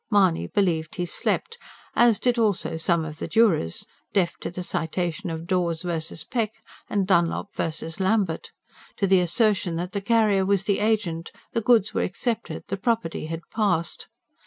Mahony believed he slept, as did also some of the jurors, deaf to the Citation of Dawes V. Peck and Dunlop V. Lambert; to the assertion that the carrier was the agent, the goods were accepted, the property had "passed."